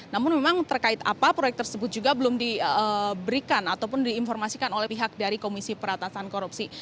namun memang terkait apa proyek tersebut juga belum diberikan ataupun diinformasikan oleh pihak dari komisi peratasan korupsi